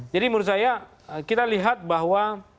jadi menurut saya kita lihat bahwa